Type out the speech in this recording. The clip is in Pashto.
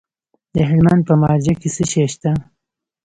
د هلمند په مارجه کې څه شی شته؟